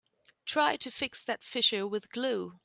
Try to fix that fissure with glue.